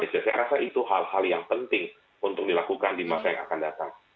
saya rasa itu hal hal yang penting untuk dilakukan di masa yang akan datang